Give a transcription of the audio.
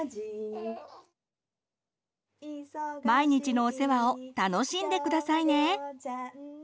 毎日のお世話を楽しんでくださいね！